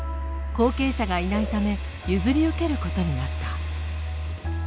後継者がいないため譲り受けることになった。